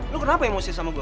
lu kenapa emosi sama gue